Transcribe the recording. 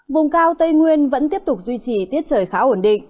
vùng cao tây nguyên vẫn tiếp tục duy trì tiết trời khá ổn định